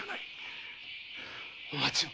お待ちを！